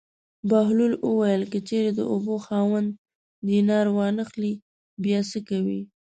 بهلول وویل: که چېرې د اوبو خاوند دینار وانه خلي بیا څه کوې.